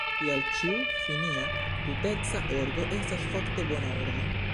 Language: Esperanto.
Tial ĉiu finia tuteca ordo estas fakte bona ordo.